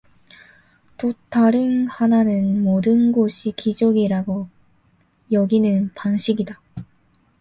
또 다른 하나는 모든 것이 기적이라고 여기는 방식이다.